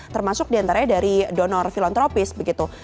termasuk diantaranya dari donor filantropis begitu